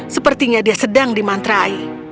sepertinya dia sedang dimantrai